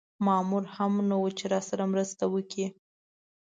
مامور هم نه و چې راسره مرسته وکړي.